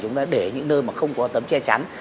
chúng ta để những nơi mà không có tấm che chắn